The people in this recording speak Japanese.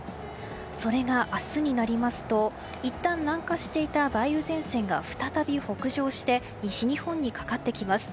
それが明日になりますといったん南下していた梅雨前線が再び北上して西日本にかかってきます。